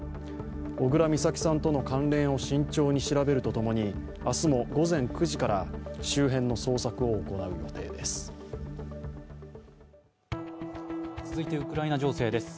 小倉美咲さんとの関連を慎重に調べるとともに明日も午前９時から周辺の捜索を行う予定です。